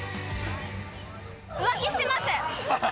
浮気してます。